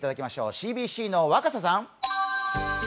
ＣＢＣの若狭さん！